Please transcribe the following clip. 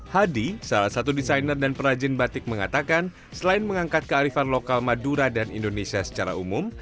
hadi salah satu desainer dan perajin batik mengatakan selain mengangkat kearifan lokal madura dan indonesia secara umum